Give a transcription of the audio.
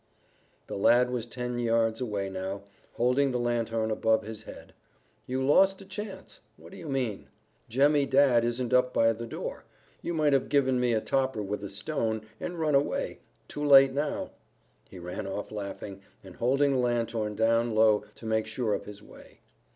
The lad was ten yards away now, holding the lanthorn above his head. "You lost a chance." "What do you mean?" "Jemmy Dadd isn't up by the door. You might have given me a topper with a stone, and run away; too late now." He ran off laughing, and holding the lanthorn down low to make sure of his way.